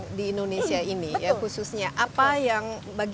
alhamdulillah tidak diserah bagaimana orang berharga tidak lungkip terhadap lebar